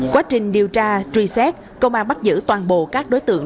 quá trình điều tra truy xét công an bắt giữ toàn bộ các đối tượng